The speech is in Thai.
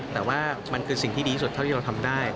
แต่ว่ามันคือสิ่งที่ดีที่สุดเท่าที่เราทำได้